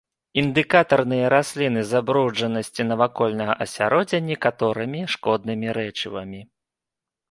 Індыкатарныя расліны забруджанасці навакольнага асяроддзя некаторымі шкоднымі рэчывамі.